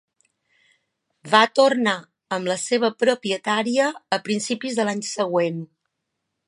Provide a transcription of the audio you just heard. Va tornar amb la seva propietària a principis de l'any següent.